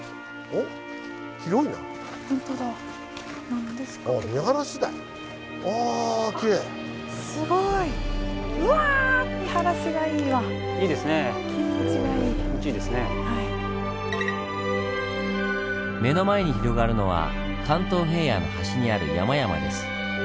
目の前に広がるのは関東平野の端にある山々です。